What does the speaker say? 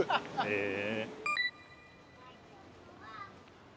へえ。